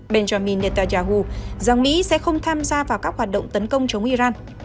benjamin netanyahu rằng mỹ sẽ không tham gia vào các hoạt động tấn công chống iran